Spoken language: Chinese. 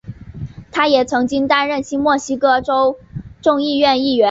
他也曾经担任新墨西哥州众议院议员。